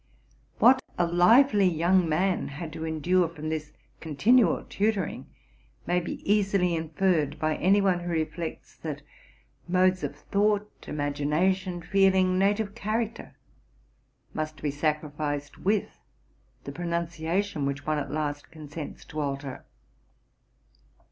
What a lively young man had to endure from this continual tutoring, may be easily inferred by any one who reflects that modes of thought, imagination, feeling, native character, must be sacrificed with the pronunciation which one at last consents to alter.